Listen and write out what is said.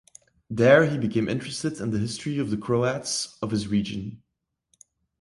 There he became interested in the history of the Croats of his region.